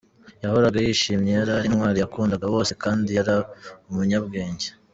Yahoraga yishimye, yari intwari, yakundaga bose kandi yari umunyabwenge.